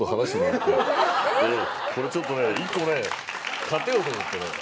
これちょっとねたてようと思ってね